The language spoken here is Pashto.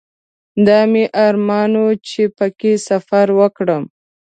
دا مې ارمان و چې په کې سفر وکړم.